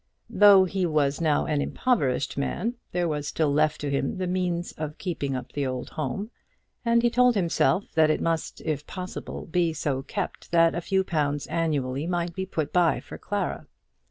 Though he was now an impoverished man, there was still left to him the means of keeping up the old home; and he told himself that it must, if possible, be so kept that a few pounds annually might be put by for Clara.